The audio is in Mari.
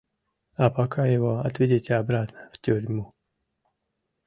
А пока его отведите обратно в тюрьму!..